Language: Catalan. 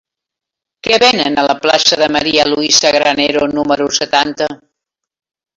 Què venen a la plaça de María Luisa Granero número setanta?